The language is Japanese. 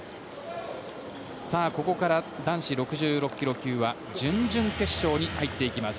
ここから男子６６ｋｇ級は準々決勝に入っていきます。